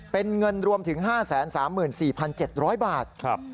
เป็นเงินรวมถึง๕๓๔๗๐๐บาท